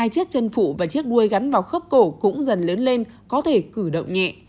hai chiếc chân phụ và chiếc đuôi gắn vào khớp cổ cũng dần lớn lên có thể cử động nhẹ